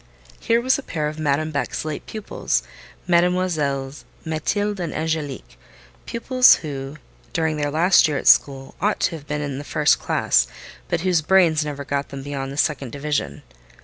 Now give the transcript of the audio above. Here was a pair of Madame Beck's late pupils—Mesdemoiselles Mathilde and Angélique: pupils who, during their last year at school, ought to have been in the first class, but whose brains never got them beyond the second division.